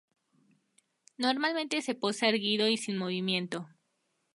Normalmente se posa erguido y sin movimiento.